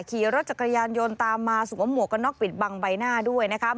ขี่รถจักรยานยนต์ตามมาสมมุติก็นอกปิดบางใบหน้าด้วยนะคะ